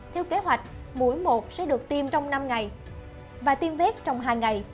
theo kế hoạch mỗi một sẽ được tiêm trong năm ngày và tiêm vết trong hai ngày